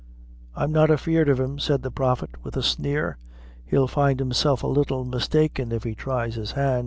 "I'm not afeard of him," said the prophet, with a sneer; "he'll find himself a little mistaken, if he tries his hand.